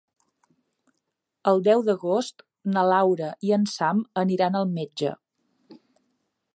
El deu d'agost na Laura i en Sam aniran al metge.